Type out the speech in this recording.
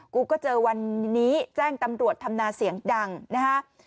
กูก็เจอวันนี้แจ้งตำรวจทำนาเสียงดังนะฮะ